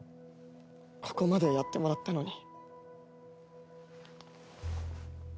ここまでやってもらったのに。